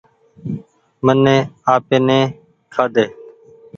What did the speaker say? مني آپي ني کآ ۮي۔